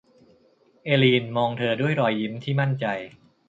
เอลีนมองเธอด้วยรอยยิ้มที่มั่นใจ